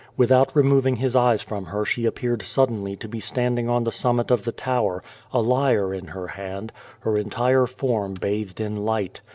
Without removing his eyes from her she appeared suddenly to be standing on the summit of the tower, a lyre in her hand, her entire form bathed in light.